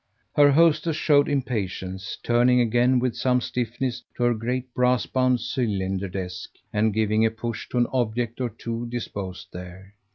Her hostess showed impatience, turning again with some stiffness to her great brass bound cylinder desk and giving a push to an object or two disposed there.